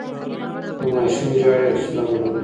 که ماشوم ژاړي، حوصله ولرئ.